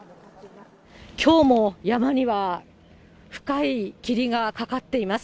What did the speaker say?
きょうも山には深い霧がかかっています。